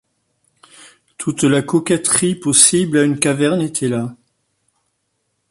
Toute la coquetterie possible à une caverne était là.